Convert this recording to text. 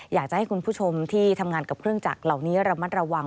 อยากจะให้คุณผู้ชมที่ทำงานกับเครื่องจักรเหล่านี้ระมัดระวัง